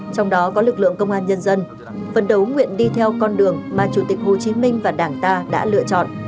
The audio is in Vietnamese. trong đó có lực lượng công an nhân dân phấn đấu nguyện đi theo con đường mà chủ tịch hồ chí minh và đảng ta đã lựa chọn